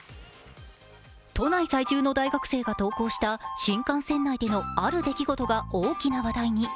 都内在住の大学生が投稿した新幹線内でのある出来事が大きな話題に。